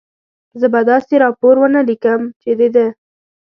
زه به داسې راپور و نه لیکم، چې د ده.